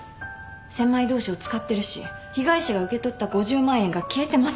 千枚通しを使ってるし被害者が受け取った５０万円が消えてます。